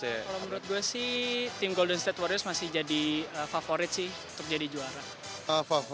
kalau menurut gue sih tim golden state warriors masih jadi favorit sih untuk jadi juara